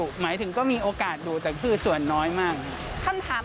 ใช่แต่ไม่ค่อยดุกกับคนครับ